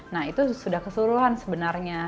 nah itu sudah keseluruhan sebenarnya